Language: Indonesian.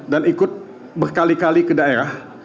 dan ikut berkali kali ke daerah